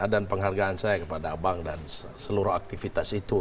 dan penghargaan saya kepada abang dan seluruh aktivitas itu